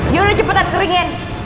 yaudah cepetan keringin